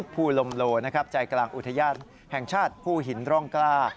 ภูลมโลนะครับใจกลางอุทยาศแห่งชาติผู้หินร่องกล้า